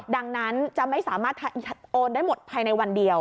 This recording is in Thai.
ดังนั้นจะไม่สามารถโอนได้หมดภายในวันเดียว